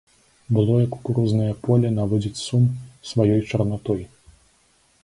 Былое кукурузнае поле наводзіць сум сваёй чарнатой.